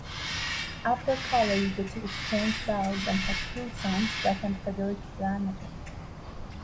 After college, the two exchanged vows, and had two sons, Jack and Frederick Flanagan.